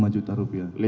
lima juta rupiah